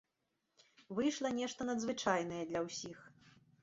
Выйшла нешта надзвычайнае для ўсіх.